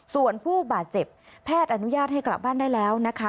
ส่วนผู้บาดเจ็บแพทย์อนุญาตให้กลับบ้านได้แล้วนะคะ